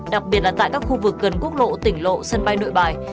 đặc biệt là tại các khu vực gần quốc lộ tỉnh lộ sân bay nội bài